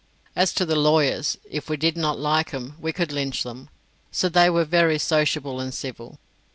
As to the lawyers, if we did not like them, we could lynch them, so they were sociable and civil.